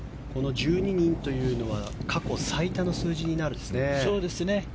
１２人というのは過去最多の数字になるんですね。